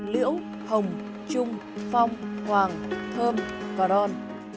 liễu hồng trung phong hoàng thơm cà ròn